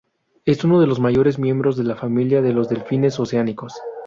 Es uno de los mayores miembros de la familia de los delfines oceánicos.